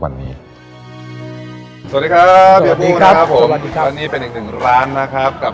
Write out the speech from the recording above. สวัสดีครับพี่ภูมินะครับผมสวัสดีครับสวัสดีครับ